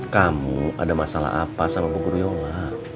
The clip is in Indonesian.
kamu ada masalah apa sama bu guruyola